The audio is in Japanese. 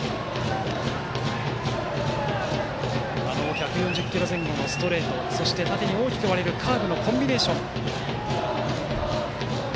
１４０キロ前後のストレートそして縦に大きく割れるカーブのコンビネーション。